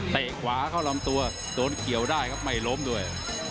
ขวาเข้าลำตัวโดนเกี่ยวได้ครับไม่ล้มด้วย